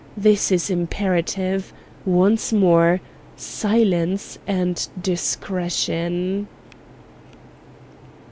This is imperative. Once more, silence and discretion."